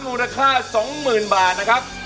มูลค่า๒๐๐๐บาทนะครับ